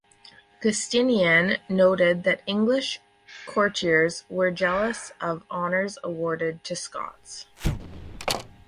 Giustinian noted that English courtiers were jealous of honours awarded to Scots.